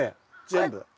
全部？